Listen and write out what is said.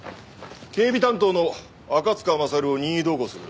警備担当の赤塚勝を任意同行する。